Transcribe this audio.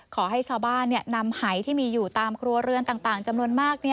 ขอให้ชาวบ้านนำหายที่มีอยู่ตามครัวเรือนต่างจำนวนมาก